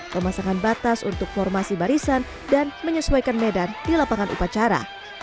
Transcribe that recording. pemasangan batas untuk formasi barisan dan menyesuaikan medan di lapangan upacara